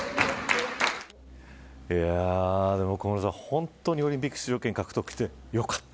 本当にオリンピック出場権獲得してよかった。